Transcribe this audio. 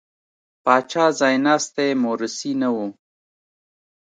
پاچا ځایناستی مورثي نه و.